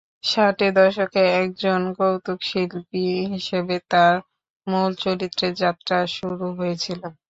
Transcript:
ষাটের দশকে একজন কৌতুক-শিল্পী হিসেবে তার মূল চলচ্চিত্র যাত্রা শুরু হয়েছিলো।